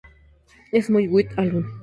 Es muy "White Album".